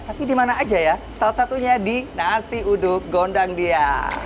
tapi di mana aja ya salah satunya di nasi uduk gondang dia